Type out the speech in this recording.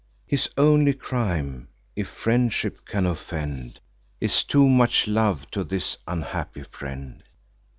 His only crime (if friendship can offend) Is too much love to his unhappy friend."